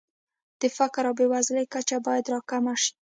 د فقر او بېوزلۍ کچه باید راکمه شي.